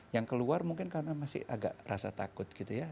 yang keluar mungkin karena masih agak rasa takut gitu ya